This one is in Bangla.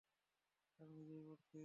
আমি নিজেই পড়ছি।